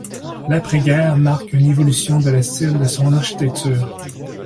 L'après-guerre marque une évolution dans le style de son architecture.